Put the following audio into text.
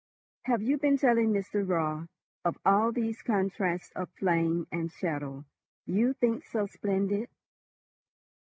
"Have you been telling Mr. Raut of all these contrasts of flame and shadow you think so splendid?"